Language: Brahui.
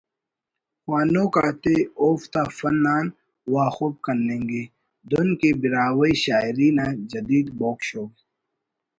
خوانوک آتے اوفتا فن آن واخب کننگے دن کہ براہوئی شاعری نا جدید بوگ شوگ